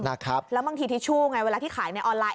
แล้วบางทีทิชชู่ไงเวลาที่ขายในออนไลน